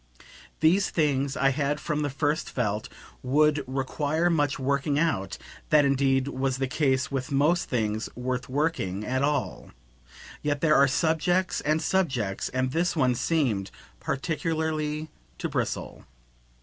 These things, I had from the first felt, would require much working out; that indeed was the case with most things worth working at all; yet there are subjects and subjects, and this one seemed particularly to bristle.